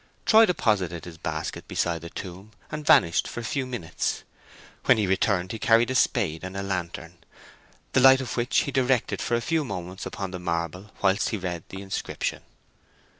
Troy deposited his basket beside the tomb, and vanished for a few minutes. When he returned he carried a spade and a lantern, the light of which he directed for a few moments upon the marble, whilst he read the inscription.